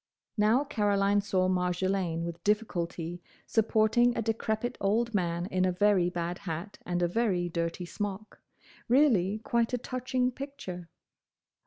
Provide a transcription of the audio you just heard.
Now Caroline saw Marjolaine with difficulty supporting a decrepit old man in a very bad hat and a very dirty smock. Really quite a touching picture.